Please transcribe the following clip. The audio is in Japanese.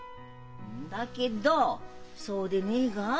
んだけどそうでねえか？